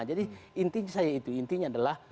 jadi intinya saya itu intinya adalah